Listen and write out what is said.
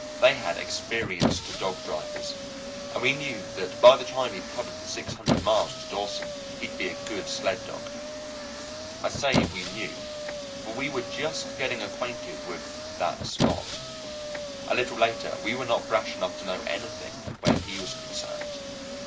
They had experienced dog drivers, and we knew that by the time he'd covered the six hundred miles to Dawson he'd be a good sled dog. I say we knew, for we were just getting acquainted with that Spot. A little later we were not brash enough to know anything where he was concerned.